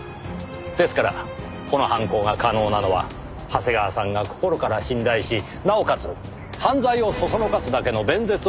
ですからこの犯行が可能なのは長谷川さんが心から信頼しなおかつ犯罪をそそのかすだけの弁舌を持つ人物に限られます。